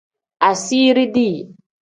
Asiiri dii.